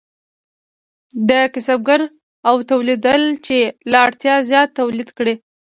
کسبګر وتوانیدل چې له اړتیا زیات تولید وکړي.